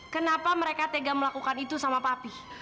kenapa mereka tega melakukan itu sama papi